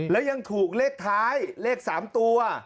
แล้วยังถูกเลขท้ายเลข๓ตัว